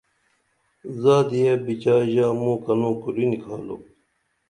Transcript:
زادیہ بِچائی ژا موں کنوں کُری نکھالُپ